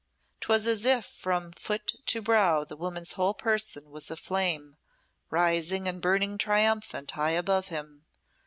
'Twas as if from foot to brow the woman's whole person was a flame, rising and burning triumphant high above him.